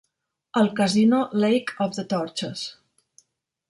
El casino Lake of the Torches.